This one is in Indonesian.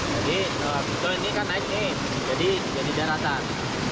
jadi pinto ini kan naik ini jadi daratan